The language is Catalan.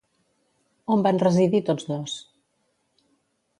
On van residir tots dos?